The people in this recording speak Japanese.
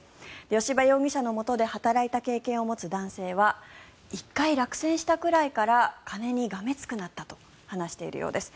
吉羽容疑者のもとで働いた経験を持つ男性は１回落選したくらいから金にがめつくなったと話しているようです。